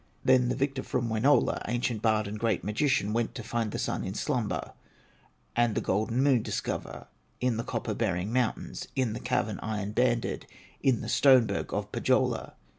Then the victor from Wainola, Ancient bard and great magician, Went to find the Sun in slumber, And the golden Moon discover, In the copper bearing mountains, In the cavern iron banded, In the stone berg of Pohyola.